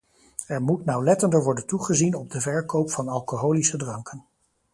Er moet nauwlettender worden toegezien op de verkoop van alcoholische dranken.